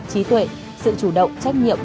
trí tuệ sự chủ động trách nhiệm